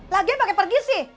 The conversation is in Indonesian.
lagian pake pergi sih